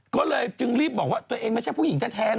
ก็เลยจึงรีบบอกว่าตัวเองไม่ใช่ผู้หญิงแท้